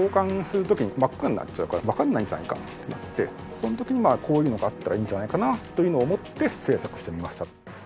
その時にこういうのがあったらいいんじゃないかなというのを思って製作してみました。